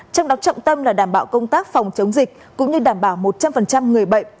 trong đó trọng tâm là đảm bảo công tác phòng chống dịch cũng như đảm bảo một trăm linh người bệnh